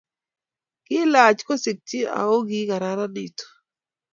Kiilach kosikchi aku kikararanitu